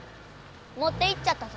もっていっちゃったぞ。